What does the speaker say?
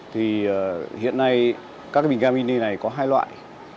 thì hiện nay các bình ga mini này có hai loại